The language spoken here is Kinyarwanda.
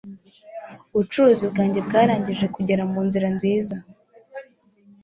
Ubucuruzi bwanjye bwarangije kugera munzira nziza.